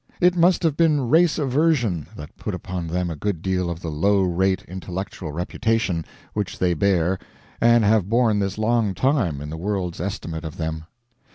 It must have been race aversion that put upon them a good deal of the low rate intellectual reputation which they bear and have borne this long time in the world's estimate of them.